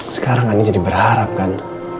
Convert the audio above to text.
sekarang anda jadi berharap kan